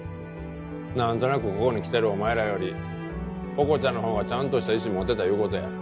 なんとなくここに来てるお前らよりオコチャのほうがちゃんとした意思持ってたいう事や。